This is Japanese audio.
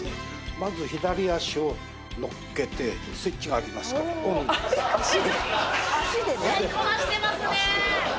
まず左足を乗っけてスイッチがありますから使いこなしてますね